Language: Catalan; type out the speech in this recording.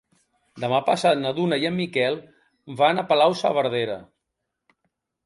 Demà passat na Duna i en Miquel van a Palau-saverdera.